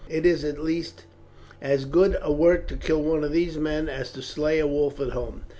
It is at least as good a work to kill one of these men as to slay a wolf at home.